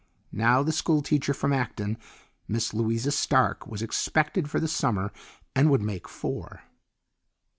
Now the school teacher from Acton, Miss Louisa Stark, was expected for the summer, and would make four.